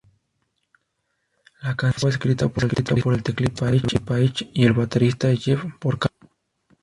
La canción fue escrita por el teclista David Paich y el baterista Jeff Porcaro.